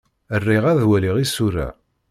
Riɣ ad waliɣ isura.